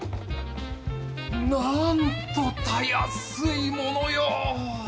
なんとたやすいものよ！